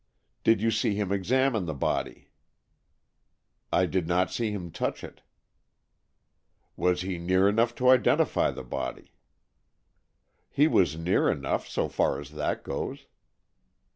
"Did you see him examine the body?" "I did not see him touch it." "Was he near enough to identify the body?" "He was near enough, so far as that goes."